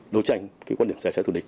đấu tranh cái quan điểm xe chạy thù địch